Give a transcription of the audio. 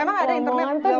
emang ada internet